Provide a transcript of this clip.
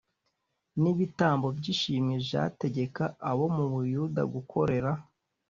n ibitambo by ishimwe j ategeka abo mu buyuda gukorera